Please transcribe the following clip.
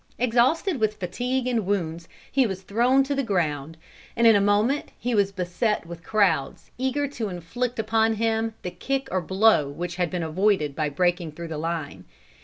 Exhausted with fatigue and wounds, he was thrown to the ground, and in a moment he was beset with crowds, eager to inflict upon him the kick or blow which had been avoided by breaking through the line.